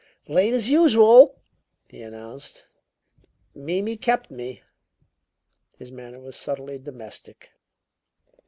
"Late as usual!" he announced. "Mimi kept me!" His manner was subtly domestic.